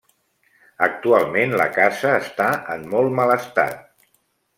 Actualment la casa està en molt mal estat.